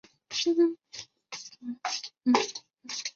所以当年的国家足球队有不少来自香港的选手。